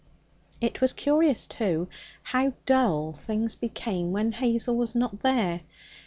It was curious, too, how dull things became when Hazel was not there.